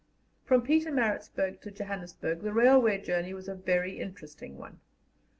From Pietermaritzburg to Johannesburg the railway journey was a very interesting one.